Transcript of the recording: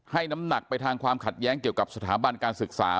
น้ำหนักไปทางความขัดแย้งเกี่ยวกับสถาบันการศึกษา